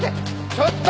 ちょっと！